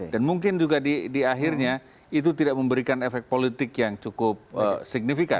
dan mungkin juga di akhirnya itu tidak memberikan efek politik yang cukup signifikan